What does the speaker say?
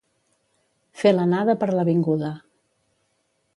Fer l'anada per la vinguda.